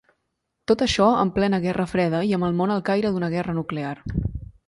Tot això en plena guerra freda i amb el món al caire d'una guerra nuclear.